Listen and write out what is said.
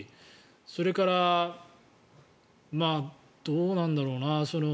それからどうなんだろうな。